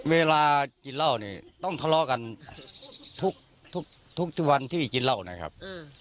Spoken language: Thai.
เวลากินเหล้าเนี่ยต้องทะเลาะกันทุกวันที่กินเหล้านะครับ